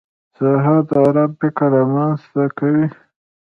سهار د ارام فکر رامنځته کوي.